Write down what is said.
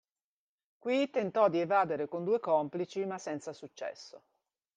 Qui tentò di evadere con due complici ma senza successo.